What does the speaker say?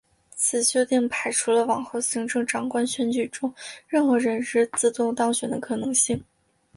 此修订排除了往后行政长官选举中任何人士自动当选的可能性。